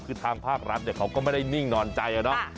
คือทางภาครัฐเขาก็ไม่ได้นิ่งนอนใจอะเนาะ